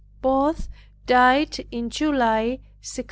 Both died in July, 1672.